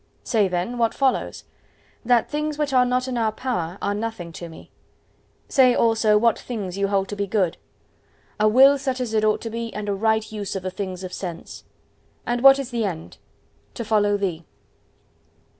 "Say then, what follows?" "That things which are not in our power are nothing to me." "Say also what things you hold to be good." "A will such as it ought to be, and a right use of the things of sense." "And what is the end?" "To follow Thee!"